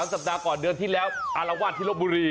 สัปดาห์ก่อนเดือนที่แล้วอารวาสที่ลบบุรี